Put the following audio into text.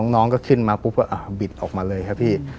น้องก็ขึ้นมาปุ๊บก็บิดออกมาเลยครับพี่